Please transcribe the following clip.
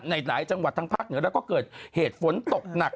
ในหลายจังหวัดทางภาคเหนือแล้วก็เกิดเหตุฝนตกหนัก